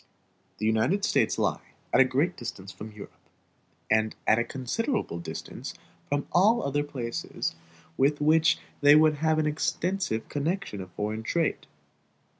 The United States lie at a great distance from Europe, and at a considerable distance from all other places with which they would have extensive connections of foreign trade.